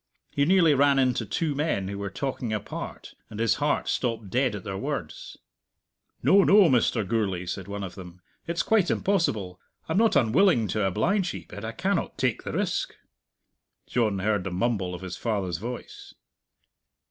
He nearly ran into two men who were talking apart, and his heart stopped dead at their words. "No, no, Mr. Gourlay," said one of them; "it's quite impossible. I'm not unwilling to oblige ye, but I cannot take the risk." John heard the mumble of his father's voice.